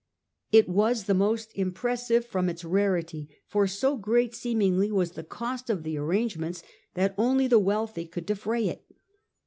It was the more impressive from its rarity, for so great seemingly was the cost of the arrangements, that only the wealthy could defray it.